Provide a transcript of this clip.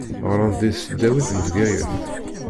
Ɣṛant di tesdawit n Bgayet.